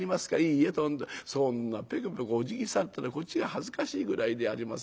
いいえとんでもそんなペコペコおじぎされたらこっちが恥ずかしいぐらいでありませんか。